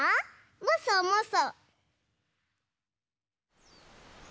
もそもそ。